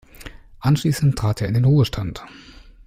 Anschließend trat er in den Ruhestand.